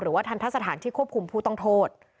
หรือว่าทันทสถานที่ควบคุมผู้ต้องโทษ